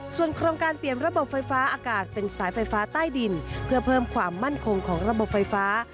ส่วนโครงการเปลี่ยนระบบไฟฟ้าอากาศเป็นสายไฟฟ้าใต้ดินเพื่อเพิ่มความมั่นคงของระบบไฟฟ้า